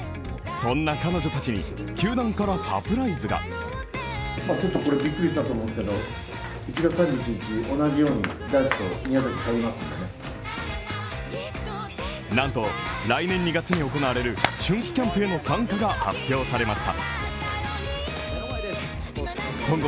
そんな彼女たちに球団からサプライズがなんと来年２月に行われる春季キャンプへの参加が発表されました。